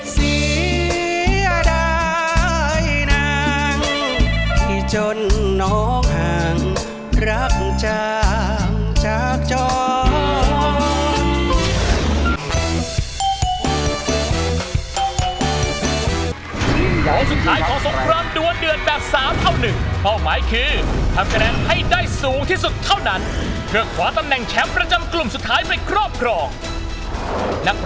เสียดายนางที่จนนอกห่างรักจางจากจอ